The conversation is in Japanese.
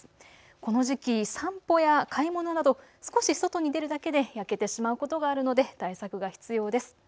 この時期、散歩や買い物など少し外に出るだけで焼けてしまうことがあるので対策が必要です。